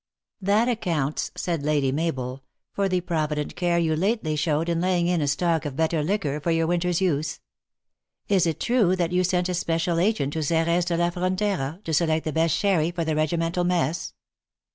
" That accounts," said Lady Mabel, " for the provi dent care you lately showed, in laying in a stock of better liquor for your winter s use. Is it true that you sent a special agent to Xeres de la Frontera, to select the best sherry for the regimental mess